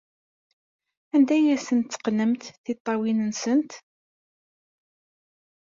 Anda ay asen-teqqnem tiṭṭawin-nsen?